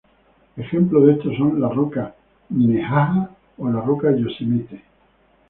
Ejemplos de esto son la roca Minnehaha o la roca Yosemite.